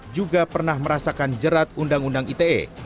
juga pernah merasakan jerat undang undang ite